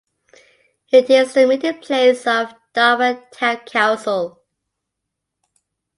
It is the meeting place of Darwen Town Council.